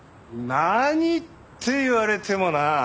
何って言われてもな。